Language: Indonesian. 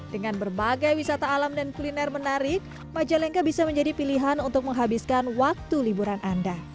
dengan berbagai wisata alam dan kuliner menarik majalengka bisa menjadi pilihan untuk menghabiskan waktu liburan anda